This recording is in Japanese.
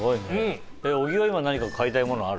小木は今何か買いたいものある？